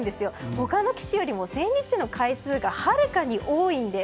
他の棋士よりも千日手の回数がはるかに多いんです。